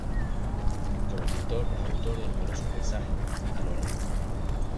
Como pintor es autor de numerosos paisajes al óleo.